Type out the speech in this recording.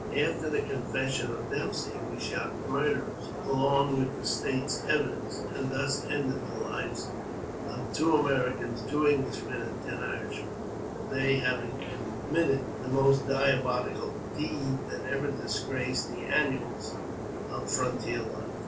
After the confession of Dempsey, we shot the murderers, along with the " state's evidence," and thus ended the lives of two Americans, two Englishmen, ar:.d ten Irish men, they having committed the most diabolical deed that ever disgraced the annals of frontier life.